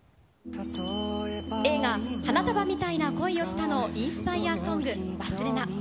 映画『花束みたいな恋をした』のインスパイアソング『勿忘』。